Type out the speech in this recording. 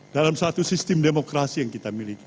dalam satu sistem demokrasi yang kita miliki